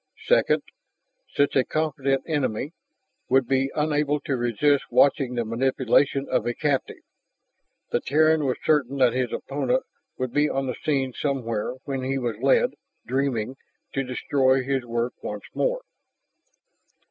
Second, such a confident enemy would be unable to resist watching the manipulation of a captive. The Terran was certain that his opponent would be on the scene somewhere when he was led, dreaming, to destroy his work once more.